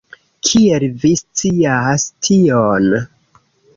Kiel vi scias tion?